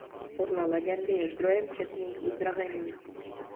Podle legendy je zdrojem četných uzdravení.